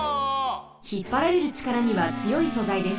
ひっぱられるちからにはつよい素材です。